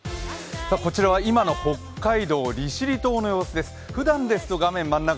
こちらは今の北海道利尻島の様子です。